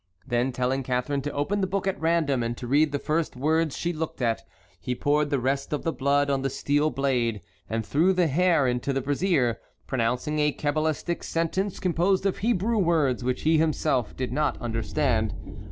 Then telling Catharine to open the book at random, and to read the first words she looked at, he poured the rest of the blood on the steel blade, and threw the hair into the brazier, pronouncing a cabalistic sentence composed of Hebrew words which he himself did not understand.